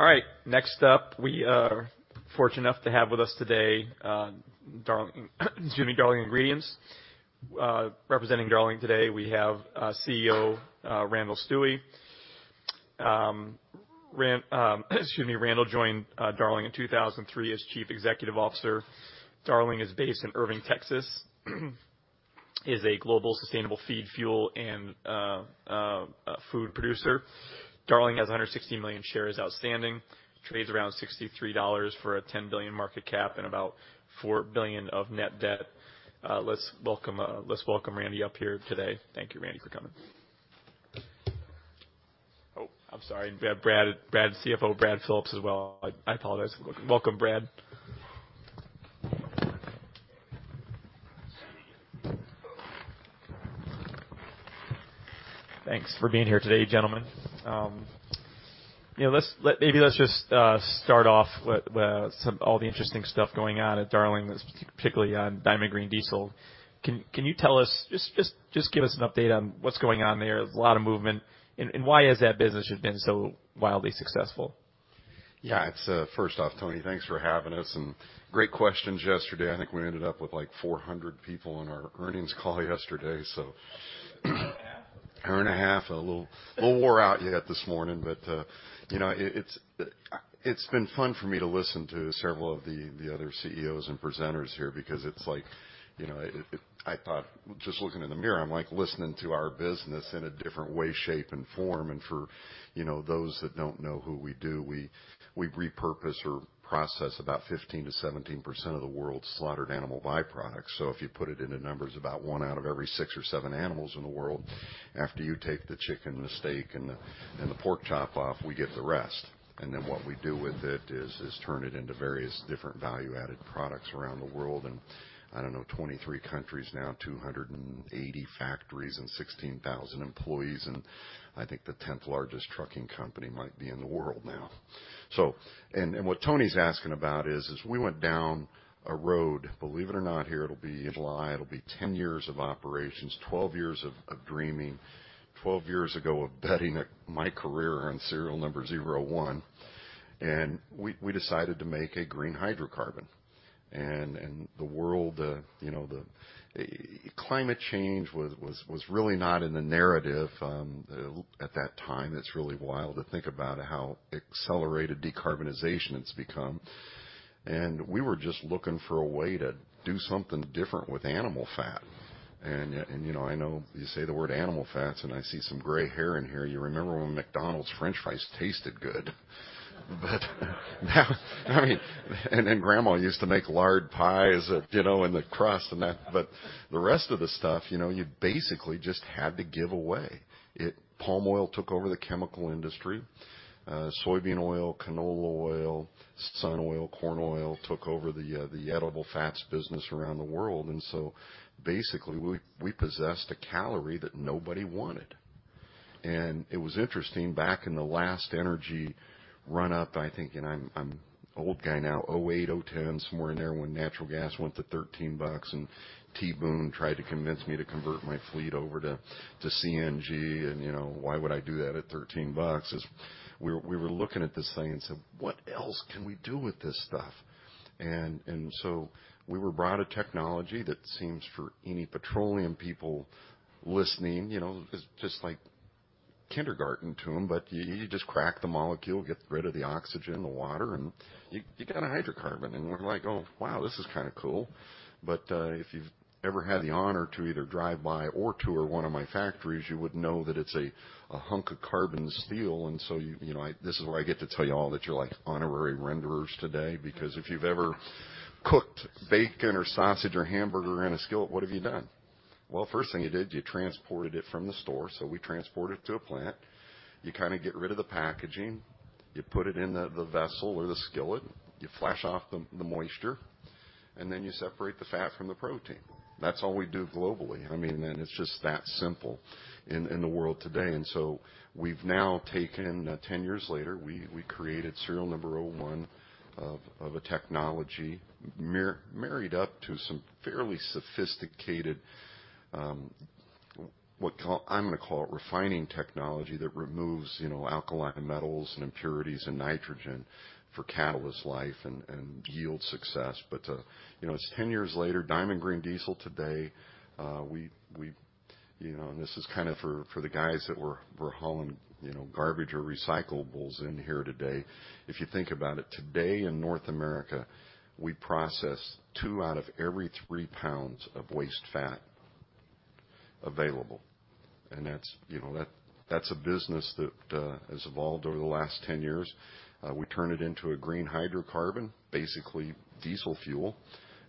All right. Next up, we are fortunate enough to have with us today, Darling—excuse me, Darling Ingredients. Representing Darling today, we have CEO Randall Stuewe. Ran—excuse me, Randall joined Darling in 2003 as Chief Executive Officer. Darling is based in Irving, Texas, is a global sustainable feed, fuel, and food producer. Darling has 116 million shares outstanding, trades around $63 for a $10 billion market cap and about $4 billion of net debt. Let's welcome Randy up here today. Thank you, Randy, for coming. Oh, I'm sorry. We have Brad—Brad, CFO Brad Phillips as well. I apologize. Welcome, Brad. Thanks for being here today, gentlemen. You know, let's just start off with all the interesting stuff going on at Darling, particularly on Diamond Green Diesel. Can you tell us—just give us an update on what's going on there? There's a lot of movement. And why has that business just been so wildly successful? Yeah. It's, first off, Tony, thanks for having us, and great questions yesterday. I think we ended up with like 400 people in our earnings call yesterday, so, hour and a half, a little wore out yet this morning. But, you know, it's been fun for me to listen to several of the other CEOs and presenters here because it's like, you know, it—I thought just looking in the mirror, I'm like listening to our business in a different way, shape, and form, and for, you know, those that don't know what we do, we repurpose or process about 15%-17% of the world's slaughtered animal byproducts. So if you put it into numbers, about one out of every six or seven animals in the world, after you take the chicken and the steak and the—and the pork chop off, we get the rest. And then what we do with it is turn it into various different value-added products around the world. And I don't know, 23 countries now, 280 factories, and 16,000 employees, and I think the 10th largest trucking company might be in the world now. So, and what Tony's asking about is we went down a road, believe it or not, here it'll be July, it'll be 10 years of operations, 12 years of dreaming, 12 years ago of betting my career on serial number 01. And we decided to make a green hydrocarbon. And the world, you know, the climate change was really not in the narrative at that time. It's really wild to think about how accelerated decarbonization has become. And we were just looking for a way to do something different with animal fat. And, you know, I know you say the word animal fats, and I see some gray hair in here. You remember when McDonald's French fries tasted good? But now, I mean, and then grandma used to make lard pies at, you know, in the crust and that. But the rest of the stuff, you know, you basically just had to give away. It, palm oil took over the chemical industry. Soybean oil, canola oil, sun oil, corn oil took over the edible fats business around the world. And so basically we possessed a calorie that nobody wanted. And it was interesting back in the last energy run-up, I think, and I'm an old guy now, 2008, 2010, somewhere in there when natural gas went to $13 and T. Boone tried to convince me to convert my fleet over to CNG. And, you know, why would I do that at $13? As we were looking at this thing and said, "What else can we do with this stuff?" And so we were brought a technology that seems, for any petroleum people listening, you know, it's just like kindergarten to them. But you just crack the molecule, get rid of the oxygen, the water, and you got a hydrocarbon. We're like, "Oh, wow, this is kind of cool." But if you've ever had the honor to either drive by or tour one of my factories, you would know that it's a hunk of carbon steel. And so you know, this is where I get to tell you all that you're like honorary renderers today because if you've ever cooked bacon or sausage or hamburger in a skillet, what have you done? First thing you did, you transported it from the store. So we transport it to a plant. You kind of get rid of the packaging. You put it in the vessel or the skillet. You flash off the moisture. And then you separate the fat from the protein. That's all we do globally. I mean, and it's just that simple in the world today. And so we've now taken, 10 years later, we created serial number 01 of a technology married up to some fairly sophisticated, what I call I'm gonna call it refining technology that removes, you know, alkaline metals and impurities and nitrogen for catalyst life and yield success. But, you know, it's 10 years later, Diamond Green Diesel today, we, you know, and this is kind of for the guys that were hauling, you know, garbage or recyclables in here today. If you think about it, today in North America, we process two out of every three pounds of waste fat available. And that's, you know, that's a business that has evolved over the last 10 years. We turn it into a green hydrocarbon, basically diesel fuel.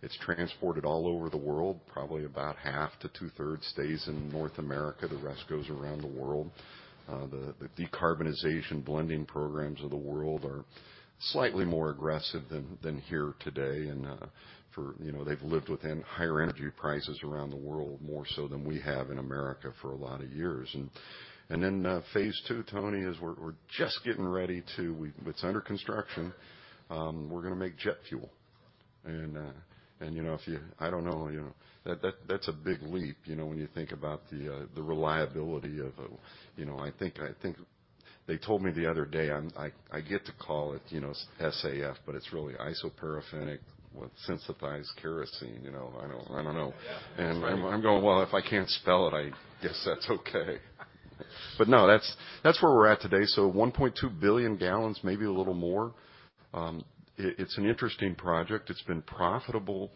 It's transported all over the world. Probably about half to two-thirds stays in North America. The rest goes around the world. The decarbonization blending programs of the world are slightly more aggressive than here today. You know, they've lived within higher energy prices around the world more so than we have in America for a lot of years. Then, phase II, Tony, is we're just getting ready to. It's under construction. We're gonna make jet fuel. You know, if you. I don't know, you know, that that's a big leap, you know, when you think about the reliability of a, you know, I think they told me the other day, I get to call it, you know, SAF, but it's really isoparaffinic with synthesized paraffinic kerosene, you know. I don't know. I'm going, "Well, if I can't spell it, I guess that's okay." No, that's where we're at today. 1.2 billion gallons, maybe a little more. It's an interesting project. It's been profitable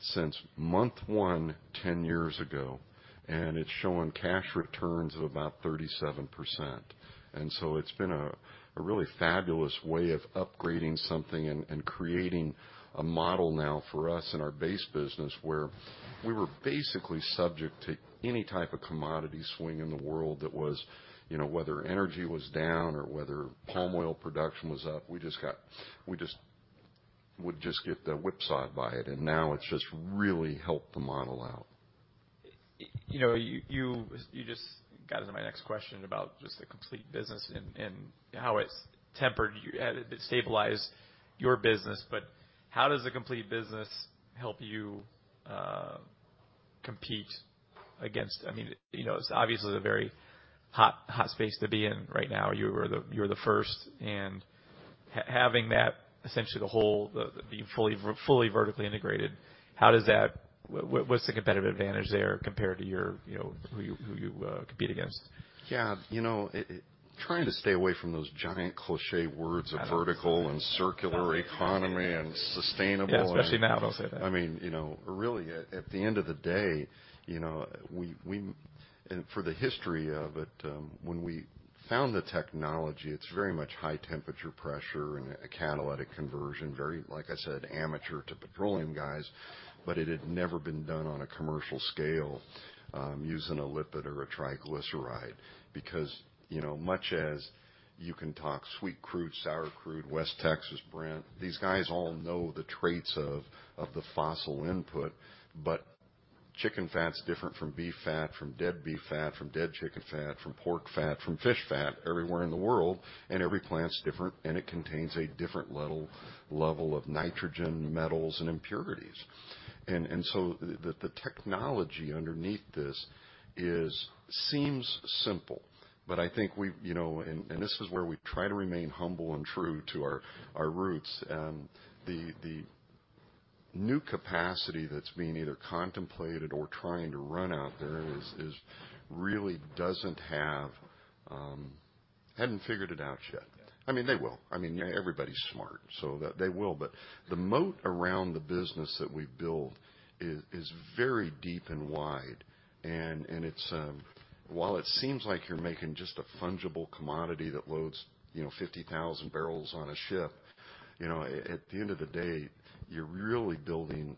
since month one 10 years ago. It's showing cash returns of about 37%. So it's been a really fabulous way of upgrading something and creating a model now for us in our base business where we were basically subject to any type of commodity swing in the world that was, you know, whether energy was down or whether palm oil production was up. We just would get whipsawed by it. Now it's just really helped the model out. You know, you just got into my next question about just the complete business and how it's tempered, stabilized your business. But how does the complete business help you compete against—I mean, you know, it's obviously a very hot space to be in right now. You were the first. And having that essentially the whole, the being fully vertically integrated, how does that, what's the competitive advantage there compared to your, you know, who you compete against? Yeah. You know, it's trying to stay away from those giant cliché words of vertical and circular economy and sustainable. Yeah. Especially now, don't say that. I mean, you know, really at the end of the day, you know, we—and for the history of it, when we found the technology, it's very much high temperature pressure and catalytic conversion, very, like I said, amateur to petroleum guys. But it had never been done on a commercial scale, using a lipid or a triglyceride because, you know, much as you can talk sweet crude, sour crude, West Texas, Brent, these guys all know the traits of the fossil input. But chicken fat's different from beef fat, from dead beef fat, from dead chicken fat, from pork fat, from fish fat everywhere in the world. And every plant's different, and it contains a different level of nitrogen, metals, and impurities. And so the technology underneath this seems simple. But I think we, you know, and this is where we try to remain humble and true to our roots. The new capacity that's being either contemplated or trying to run out there really doesn't have, hadn't figured it out yet. I mean, they will. I mean, everybody's smart, so they will. But the moat around the business that we build is very deep and wide. And it's, while it seems like you're making just a fungible commodity that loads, you know, 50,000 barrels on a ship, you know, at the end of the day, you're really building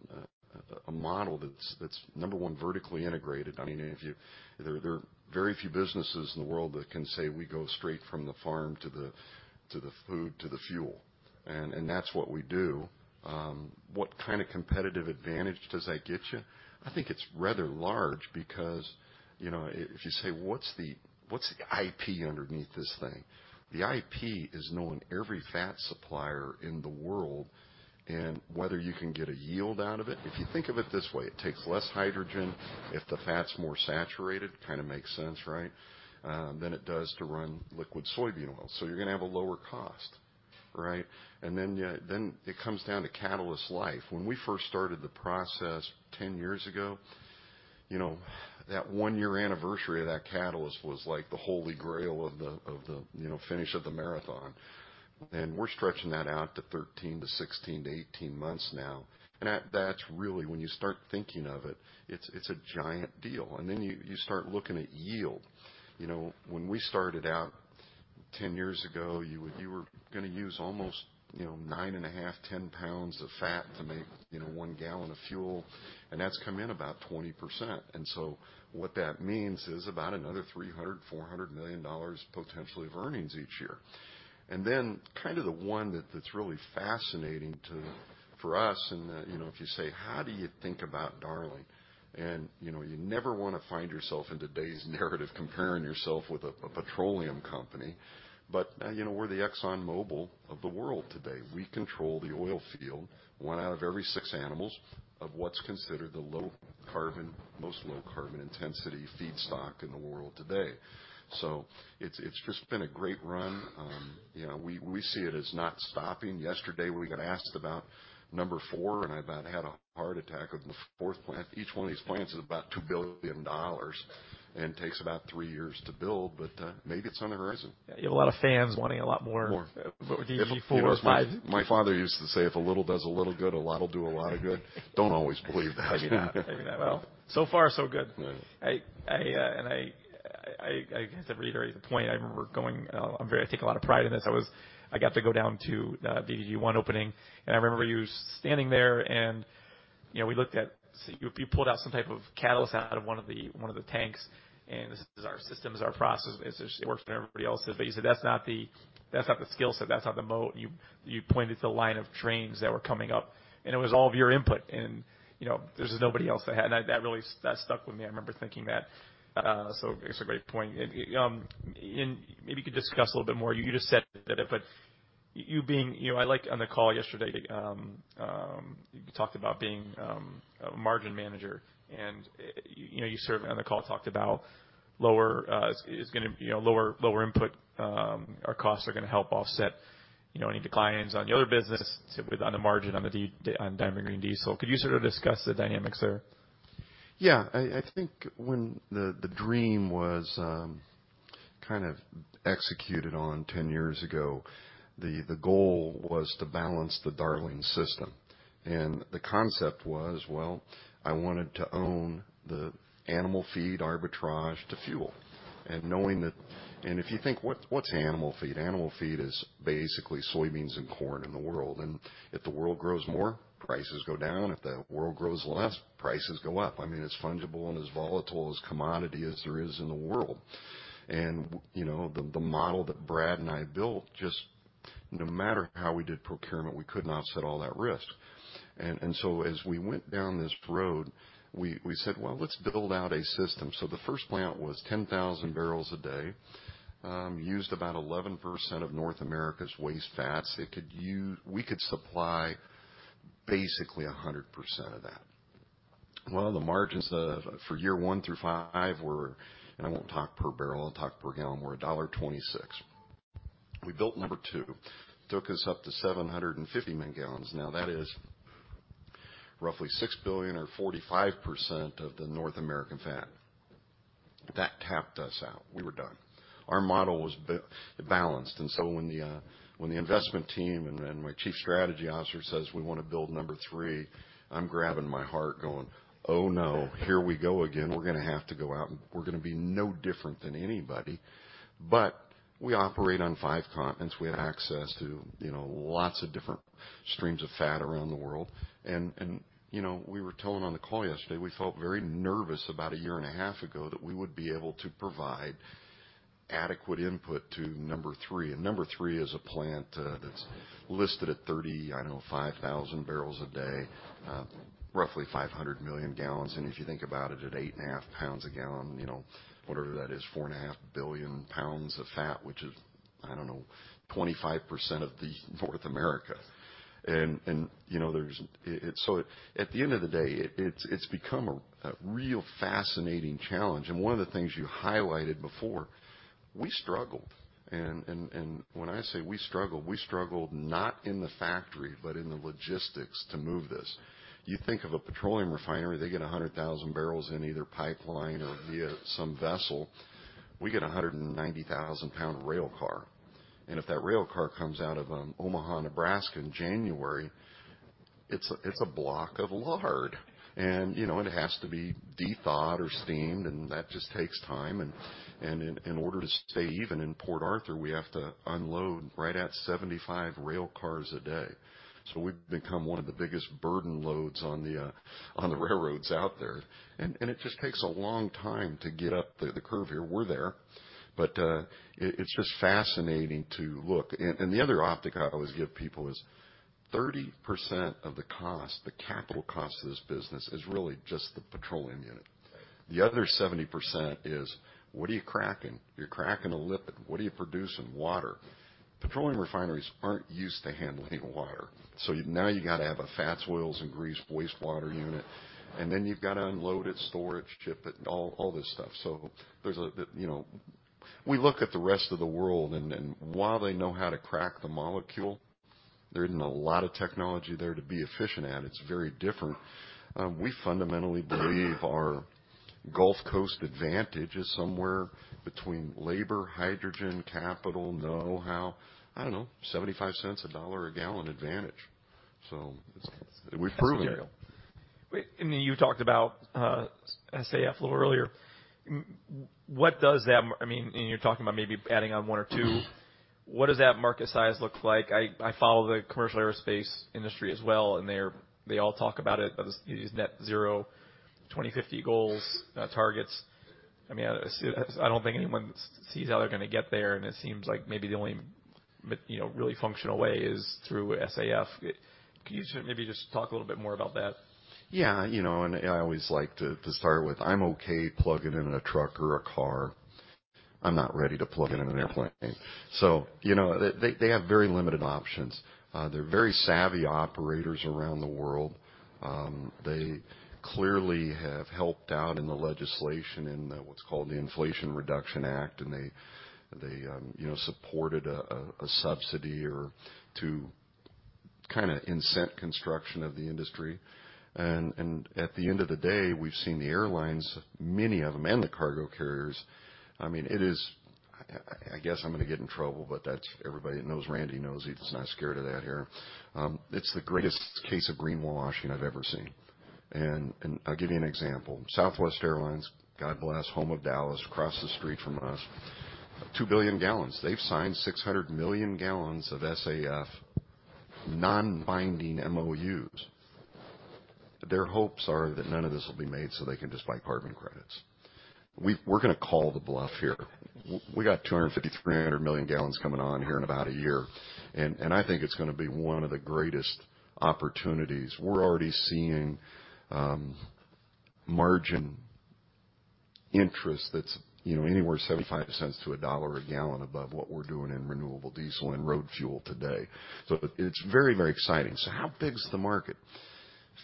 a model that's number one, vertically integrated. I mean, if you, there are very few businesses in the world that can say, "We go straight from the farm to the, to the food to the fuel." And, and that's what we do. What kind of competitive advantage does that get you? I think it's rather large because, you know, if you say, "What's the, what's the IP underneath this thing?" The IP is knowing every fat supplier in the world and whether you can get a yield out of it. If you think of it this way, it takes less hydrogen if the fat's more saturated, kind of makes sense, right? than it does to run liquid soybean oil. So you're gonna have a lower cost, right? And then, then it comes down to catalyst life. When we first started the process 10 years ago, you know, that one-year anniversary of that catalyst was like the holy grail of the, you know, finish of the marathon. And we're stretching that out to 13 to 16 to 18 months now. And that's really, when you start thinking of it, it's a giant deal. And then you start looking at yield. You know, when we started out 10 years ago, you were gonna use almost, you know, nine and a half, 10 pounds of fat to make, you know, one gallon of fuel. And that's come in about 20%. And so what that means is about another $300-$400 million potentially of earnings each year. The one that's really fascinating to us, you know, if you say, "How do you think about Darling?" You never wanna find yourself in today's narrative comparing yourself with a petroleum company. But, you know, we're the Exxon Mobil of the world today. We control the oil field, one out of every six animals of what's considered the low carbon, most low carbon intensity feedstock in the world today. So it's just been a great run. You know, we see it as not stopping. Yesterday we got asked about number four, and I about had a heart attack. The fourth plant, each one of these plants is about $2 billion and takes about three years to build. Maybe it's on the horizon. Yeah. You have a lot of fans wanting a lot more. More. Or DGD 4, 5. My father used to say, "If a little does a little good, a lot'll do a lot of good." Don't always believe that. I mean, I will. So far, so good. Yeah. I have to reiterate the point. I remember going. I take a lot of pride in this. I got to go down to DGD one opening. I remember you standing there and, you know, we looked at. You pulled out some type of catalyst out of one of the tanks. And this is our system, this is our process. It works for everybody else. But you said, "That's not the skill set. That's not the moat." And you pointed to the line of trains that were coming up. And it was all of your input. And, you know, there's just nobody else that had, and that really stuck with me. I remember thinking that, so it's a great point. Maybe you could discuss a little bit more. You just said that, but you being, you know, like on the call yesterday, you talked about being a margin manager. And, you know, you sort of, on the call, talked about lower input costs are gonna help offset, you know, any declines on the other business within the margin on the D, on Diamond Green Diesel. Could you sort of discuss the dynamics there? Yeah. I think when the dream was, kind of executed on 10 years ago, the goal was to balance the Darling system. And the concept was, well, I wanted to own the animal feed arbitrage to fuel. And knowing that, and if you think, "What, what's animal feed?" Animal feed is basically soybeans and corn in the world. And if the world grows more, prices go down. If the world grows less, prices go up. I mean, it's fungible and as volatile as commodity as there is in the world. And, you know, the model that Brad and I built just no matter how we did procurement, we couldn't offset all that risk. And so as we went down this road, we said, "Well, let's build out a system." So the first plant was 10,000 barrels a day, used about 11% of North America's waste fats. It could use, we could supply basically 100% of that. Well, the margins for year one through five were, and I won't talk per barrel, I'll talk per gallon, were $1.26. We built number two, took us up to 750 million gallons. Now that is roughly 6 billion or 45% of the North American fat. That tapped us out. We were done. Our model was balanced. And so when the investment team and my chief strategy officer says, "We wanna build number three," I'm grabbing my heart going, "Oh no, here we go again. We're gonna have to go out and we're gonna be no different than anybody." But we operate on five continents. We have access to, you know, lots of different streams of fat around the world. And, you know, we were telling on the call yesterday, we felt very nervous about a year and a half ago that we would be able to provide adequate input to number three. And number three is a plant, that's listed at 30, I don't know, 5,000 barrels a day, roughly 500 million gallons. And if you think about it, at eight and a half pounds a gallon, you know, whatever that is, four and a half billion pounds of fat, which is, I don't know, 25% of the North America. You know, so at the end of the day, it's become a real fascinating challenge. One of the things you highlighted before, we struggled. When I say we struggled, we struggled not in the factory, but in the logistics to move this. You think of a petroleum refinery. They get 100,000 barrels in either pipeline or via some vessel. We get a 190,000-pound rail car. If that rail car comes out of Omaha, Nebraska in January, it's a block of lard. You know, it has to be de-thawed or steamed, and that just takes time. In order to stay even in Port Arthur, we have to unload right at 75 rail cars a day. We've become one of the biggest burden loads on the railroads out there. And it just takes a long time to get up the curve here. We're there. But it's just fascinating to look. And the other optic I always give people is 30% of the cost, the capital cost of this business, is really just the petroleum unit. The other 70% is what are you cracking? You're cracking a lipid. What are you producing? Water. Petroleum refineries aren't used to handling water. So now you gotta have a fats, oils, and grease wastewater unit. And then you've gotta unload it, store it, ship it, all this stuff. So you know, we look at the rest of the world and while they know how to crack the molecule, there isn't a lot of technology there to be efficient at. It's very different. We fundamentally believe our Gulf Coast advantage is somewhere between labor, hydrogen, capital, know-how, I don't know, $0.75-$1 a gallon advantage. So it's, we've proven it. And then you talked about SAF a little earlier. What does that mean, I mean, and you're talking about maybe adding on one or two. What does that market size look like? I follow the commercial aerospace industry as well, and they all talk about it, these net zero 2050 goals, targets. I mean, I see that I don't think anyone sees how they're gonna get there. And it seems like maybe the only, you know, really functional way is through SAF. Can you maybe just talk a little bit more about that? Yeah. You know, and I always like to start with, I'm okay plugging in a truck or a car. I'm not ready to plug in an airplane. So, you know, they have very limited options. They're very savvy operators around the world. They clearly have helped out in the legislation in what's called the Inflation Reduction Act. And they, you know, supported a subsidy or two to kind of incent construction of the industry. And at the end of the day, we've seen the airlines, many of them, and the cargo carriers. I mean, it is, I guess I'm gonna get in trouble, but that's everybody knows Randy knows he's not scared of that here. It's the greatest case of greenwashing I've ever seen. And I'll give you an example. Southwest Airlines, God bless, home of Dallas, across the street from us, 2 billion gallons. They've signed 600 million gallons of SAF non-binding MOUs. Their hopes are that none of this will be made so they can just buy carbon credits. We're gonna call the bluff here. We got 250-300 million gallons coming on here in about a year. And I think it's gonna be one of the greatest opportunities. We're already seeing margin interest that's, you know, anywhere $0.75-$1 a gallon above what we're doing in renewable diesel and road fuel today. So it's very, very exciting. So how big's the market?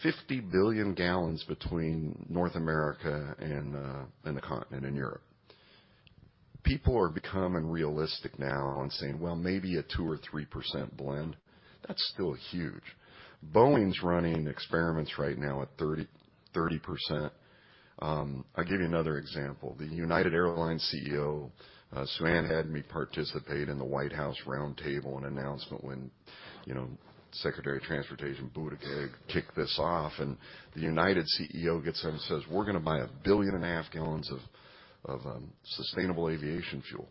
50 billion gallons between North America and the continent and Europe. People are becoming realistic now and saying, "Well, maybe a 2%-3% blend." That's still huge. Boeing's running experiments right now at 30%-30%. I'll give you another example. The United Airlines CEO, Suann had me participate in the White House roundtable and announcement when, you know, Secretary of Transportation Buttigieg kicked this off. And the United CEO gets up and says, "We're gonna buy a billion and a half gallons of, of, sustainable aviation fuel."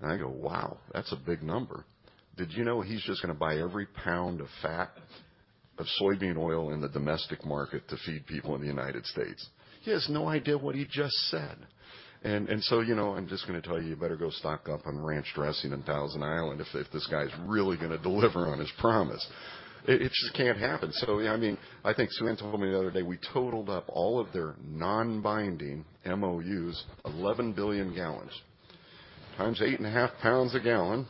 And I go, "Wow, that's a big number." Did you know he's just gonna buy every pound of fat, of soybean oil in the domestic market to feed people in the United States? He has no idea what he just said. And, and so, you know, I'm just gonna tell you, you better go stock up on ranch dressing and Thousand Island if, if this guy's really gonna deliver on his promise. It, it just can't happen. So, yeah, I mean, I think Suann told me the other day, we totaled up all of their non-binding MOUs, 11 billion gallons times eight and a half pounds a gallon.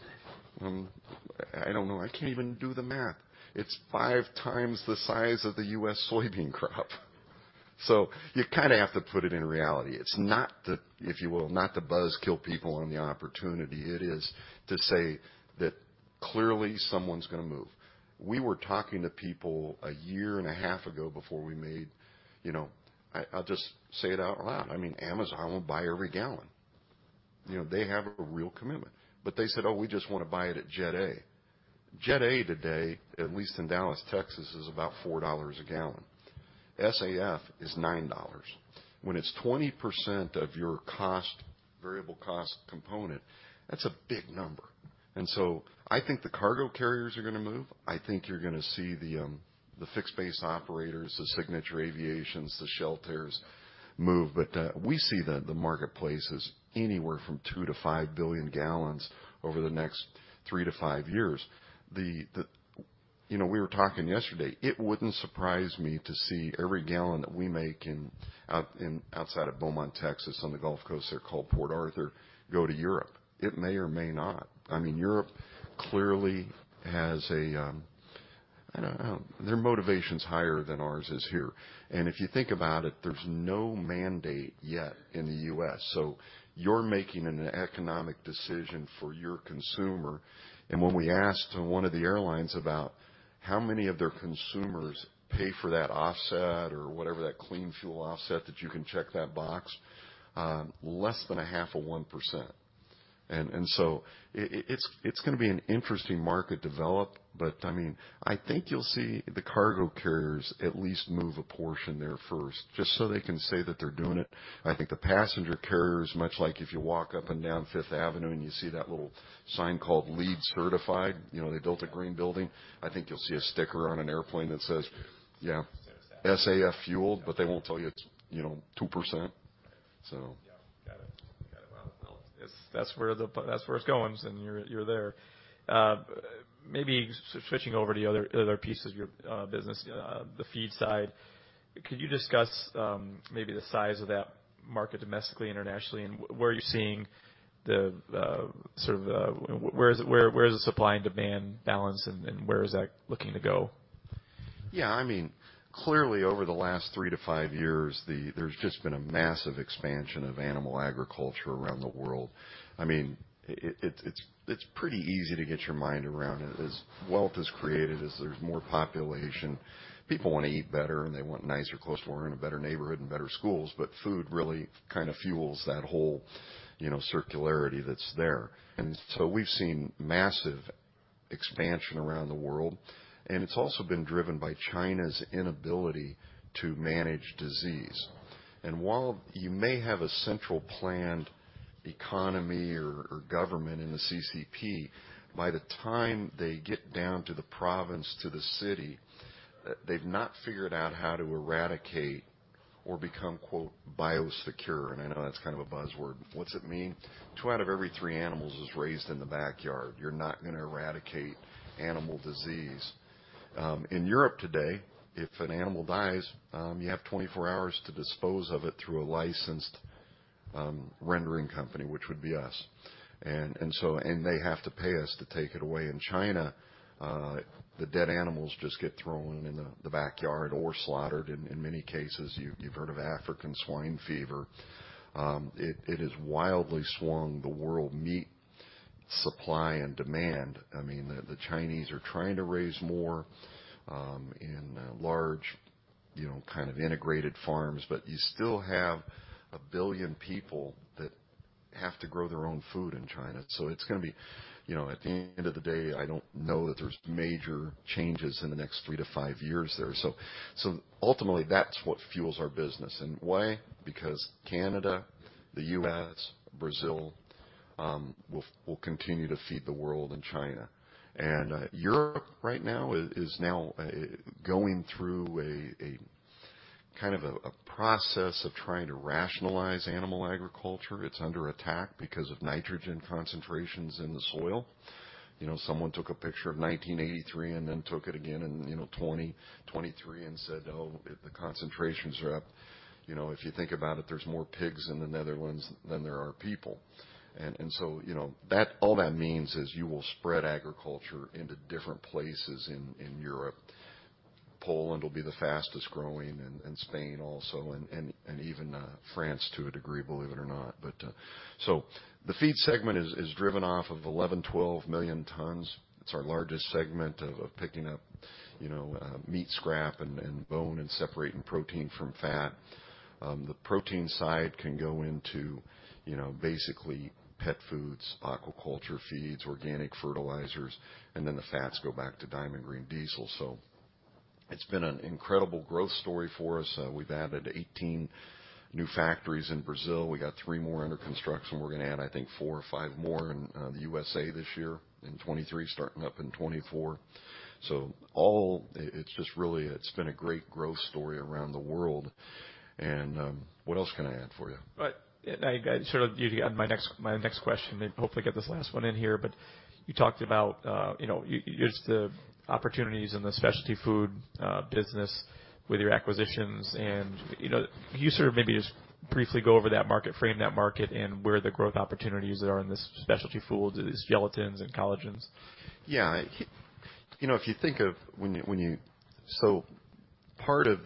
I don't know. I can't even do the math. It's five times the size of the U.S. soybean crop. So you kinda have to put it in reality. It's not to, if you will, not to buzz kill people on the opportunity. It is to say that clearly someone's gonna move. We were talking to people a year and a half ago before we made, you know, I, I'll just say it out loud. I mean, Amazon will buy every gallon. You know, they have a real commitment. But they said, "Oh, we just wanna buy it at Jet A." Jet A today, at least in Dallas, Texas, is about $4 a gallon. SAF is $9. When it's 20% of your cost, variable cost component, that's a big number. And so I think the cargo carriers are gonna move. I think you're gonna see the fixed base operators, the Signature Aviation, the shelters move. But we see the marketplace is anywhere from 2-5 billion gallons over the next 3-5 years. You know, we were talking yesterday, it wouldn't surprise me to see every gallon that we make outside of Beaumont, Texas, on the Gulf Coast, it's called Port Arthur, go to Europe. It may or may not. I mean, Europe clearly has a, I don't know. Their motivation's higher than ours is here, and if you think about it, there's no mandate yet in the U.S., so you're making an economic decision for your consumer. When we asked one of the airlines about how many of their consumers pay for that offset or whatever, that clean fuel offset that you can check that box, less than half of 1%. So it's gonna be an interesting market develop. I mean, I think you'll see the cargo carriers at least move a portion there first just so they can say that they're doing it. I think the passenger carriers, much like if you walk up and down Fifth Avenue and you see that little sign called LEED Certified, you know, they built a green building. I think you'll see a sticker on an airplane that says, "Yeah, SAF fueled," but they won't tell you it's, you know, 2%. So. Yeah. Got it. Well, it's, that's where it's going. And you're there. Maybe switching over to the other pieces of your business, the feed side. Could you discuss maybe the size of that market domestically, internationally, and where you're seeing the sort of supply and demand balance and where is that looking to go? Yeah. I mean, clearly over the last three to five years, there's just been a massive expansion of animal agriculture around the world. I mean, it's pretty easy to get your mind around it as wealth is created, as there's more population. People wanna eat better and they want nicer, closer to work, a better neighborhood and better schools. But food really kind of fuels that whole, you know, circularity that's there. And so we've seen massive expansion around the world. And it's also been driven by China's inability to manage disease. And while you may have a central planned economy or government in the CCP, by the time they get down to the province, to the city, they've not figured out how to eradicate or become "biosecure." And I know that's kind of a buzzword. What's it mean? Two out of every three animals is raised in the backyard. You're not gonna eradicate animal disease. In Europe today, if an animal dies, you have 24 hours to dispose of it through a licensed rendering company, which would be us. And they have to pay us to take it away. In China, the dead animals just get thrown in the backyard or slaughtered. In many cases, you've heard of African Swine Fever. It has wildly swung the world meat supply and demand. I mean, the Chinese are trying to raise more in large, you know, kind of integrated farms. But you still have a billion people that have to grow their own food in China. So it's gonna be, you know, at the end of the day, I don't know that there's major changes in the next three to five years there. So ultimately that's what fuels our business. And why? Because Canada, the U.S., Brazil, will continue to feed the world in China. And Europe right now is now going through a kind of a process of trying to rationalize animal agriculture. It's under attack because of nitrogen concentrations in the soil. You know, someone took a picture of 1983 and then took it again in, you know, 2023 and said, "Oh, the concentrations are up." You know, if you think about it, there's more pigs in the Netherlands than there are people. And so, you know, that all that means is you will spread agriculture into different places in Europe. Poland will be the fastest growing and Spain also, and even France to a degree, believe it or not. But, so the feed segment is driven off of 11-12 million tons. It's our largest segment of picking up, you know, meat scrap and bone and separating protein from fat. The protein side can go into, you know, basically pet foods, aquaculture feeds, organic fertilizers, and then the fats go back to Diamond Green Diesel. So it's been an incredible growth story for us. We've added 18 new factories in Brazil. We got three more under construction. We're gonna add, I think, four or five more in the USA this year in 2023, starting up in 2024. So it's just really been a great growth story around the world. And what else can I add for you? But I sort of, you had my next question and hopefully get this last one in here. But you talked about, you know, you just the opportunities in the specialty food business with your acquisitions. And, you know, can you sort of maybe just briefly go over that market, frame that market and where the growth opportunities are in this specialty food, these gelatins and collagens? Yeah. You know, if you think of when you so part of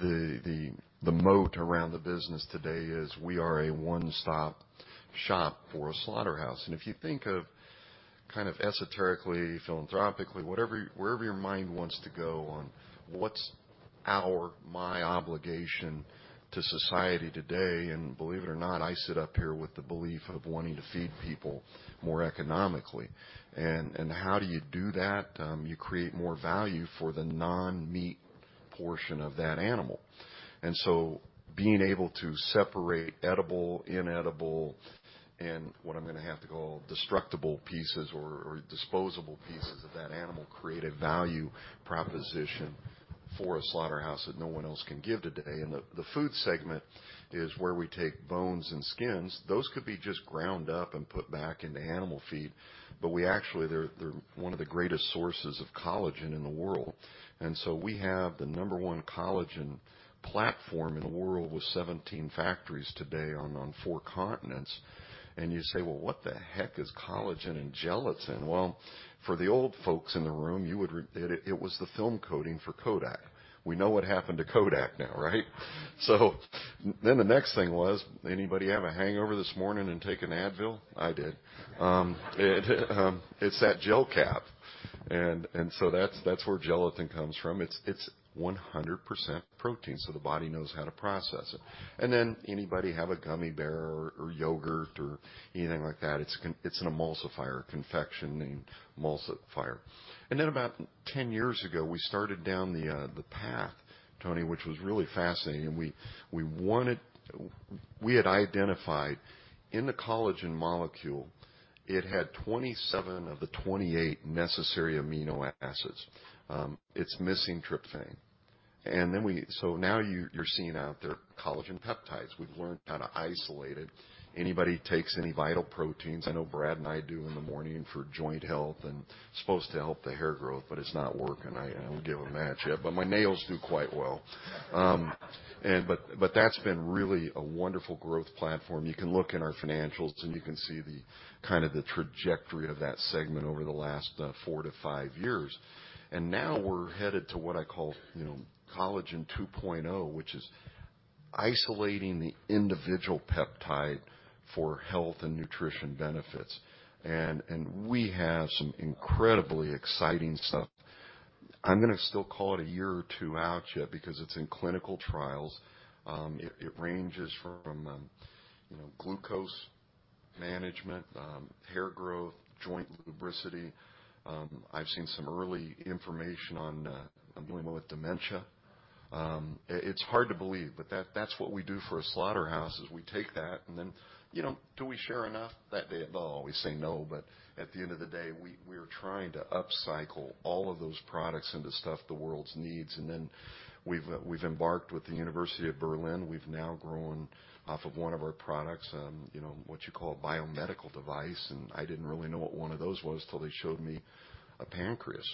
the moat around the business today is we are a one-stop shop for a slaughterhouse. If you think of kind of esoterically, philanthropically, whatever, wherever your mind wants to go on what's our, my obligation to society today. Believe it or not, I sit up here with the belief of wanting to feed people more economically. And how do you do that? You create more value for the non-meat portion of that animal. So being able to separate edible, inedible, and what I'm gonna have to call destructible pieces or disposable pieces of that animal create a value proposition for a slaughterhouse that no one else can give today. The food segment is where we take bones and skins. Those could be just ground up and put back into animal feed. But we actually, they're one of the greatest sources of collagen in the world. And so we have the number one collagen platform in the world with 17 factories today on four continents. And you say, "Well, what the heck is collagen and gelatin?" Well, for the old folks in the room, you would, it was the film coating for Kodak. We know what happened to Kodak now, right? So then the next thing was, "Anybody have a hangover this morning and take an Advil?" I did. It's that gel cap. And so that's where gelatin comes from. It's 100% protein. So the body knows how to process it. And then anybody have a gummy bear or yogurt or anything like that? It's an emulsifier, confectioning emulsifier. About 10 years ago, we started down the path, Tony, which was really fascinating. We wanted. We had identified in the collagen molecule, it had 27 of the 28 necessary amino acids. It's missing tryptophan. So now you're seeing out there collagen peptides. We've learned how to isolate it. Anybody takes any Vital Proteins? I know Brad and I do in the morning for joint health and supposed to help the hair growth, but it's not working. I don't have much yet, but my nails do quite well. But that's been really a wonderful growth platform. You can look in our financials and you can see the kind of trajectory of that segment over the last four to five years. And now we're headed to what I call, you know, collagen 2.0, which is isolating the individual peptide for health and nutrition benefits. We have some incredibly exciting stuff. I'm gonna still call it a year or two out yet because it's in clinical trials. It ranges from, you know, glucose management, hair growth, joint lubricity. I've seen some early information on dealing with dementia. It's hard to believe, but that's what we do for a slaughterhouse is we take that and then, you know, do we share enough that day? They'll always say no. But at the end of the day, we are trying to upcycle all of those products into stuff the world needs. We've embarked with the University of Berlin. We've now grown off of one of our products, you know, what you call a biomedical device. I didn't really know what one of those was till they showed me a pancreas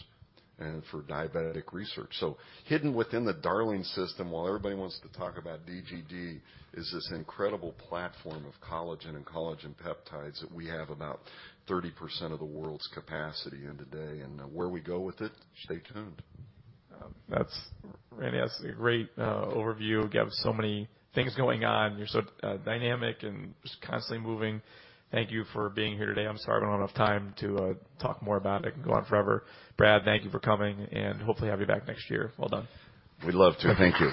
and for diabetic research. So hidden within the Darling system, while everybody wants to talk about DGD, is this incredible platform of collagen and collagen peptides that we have about 30% of the world's capacity in today. And where we go with it, stay tuned. That's Randy, that's a great overview. You have so many things going on. You're so dynamic and just constantly moving. Thank you for being here today. I'm sorry we don't have time to talk more about it. It can go on forever. Brad, thank you for coming and hopefully have you back next year. Well done. We'd love to. Thank you.